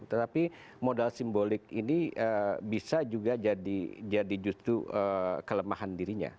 tetapi modal simbolik ini bisa juga jadi justru kelemahan dirinya